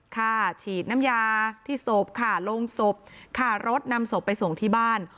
ค่าฉีดน้ำยาที่ศพค่ะลงศพค่ารถนำศพไปส่งที่บ้าน